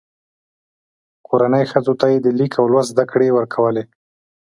کورنۍ ښځو ته یې د لیک او لوست زده کړې ورکولې.